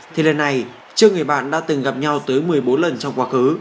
thì lần này chưa người bạn đã từng gặp nhau tới một mươi bốn lần trong quá khứ